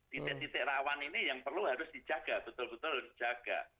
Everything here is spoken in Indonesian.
titik titik rawan ini yang perlu harus dijaga betul betul harus dijaga